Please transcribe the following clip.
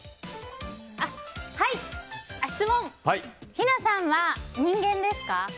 ヒナさんは、人間ですか？